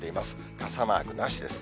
傘マークなしです。